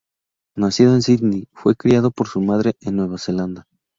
Nacido en Sídney, fue criado por su madre en Nueva Zelanda.